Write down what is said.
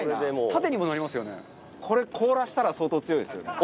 これ凍らせたら相当強いですよね。